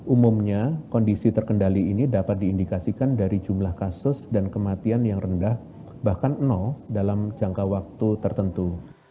umumnya kondisi terkendali ini dapat diindikasikan dari jumlah kasus dan kematian yang rendah bahkan nol dalam jangka waktu tertentu